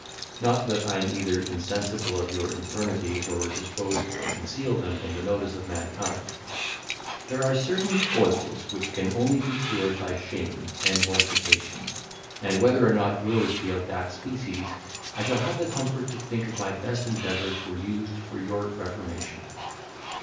Not that I am either insensible of your infirmities, or disposed to conceal them from the notice of mankind. There are certain foibles which can only be cured by shame and mortification; and whether or not yours be of that species, I shall have the comfort to think my best endeavours were used for your reformation.